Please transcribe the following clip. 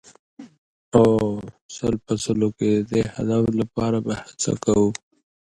د دې هدف لپاره به هڅه کوو.